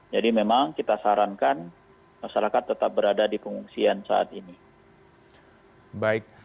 jadi memang kita sarankan masyarakat tetap berada di pengungsian saat ini